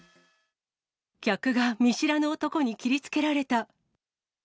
客が見知らぬ男に切りつけられた。